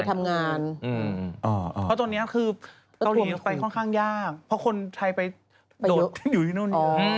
เพราะตอนนี้คือเกาหลีไปค่อนข้างยากเพราะคนไทยไปโดดอยู่ที่นู่น